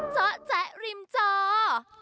เจ้าแจ๊ะริมเจ้า